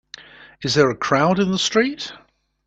Is there a crowd in the street?